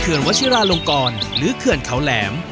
วัชิราลงกรหรือเขื่อนเขาแหลม